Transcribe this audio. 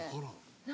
「何？